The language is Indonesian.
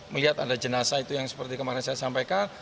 melihat ada jenazah itu yang seperti kemarin saya sampaikan